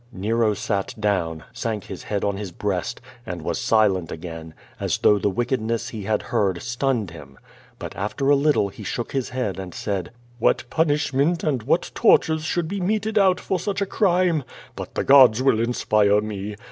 Nero sat down, sank his head on his breast, and was silent again, as though the wickedness he had heard stunned him. But after a little he shook his head and said: "What punishment and what tortures should be meted out for such a crime? But the gods will inspire me.